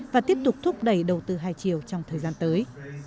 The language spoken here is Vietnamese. và tiếp tục thúc đẩy đầu tư hai chiều trong thời gian tới